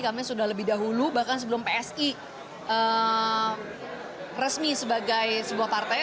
kami sudah lebih dahulu bahkan sebelum psi resmi sebagai sebuah partai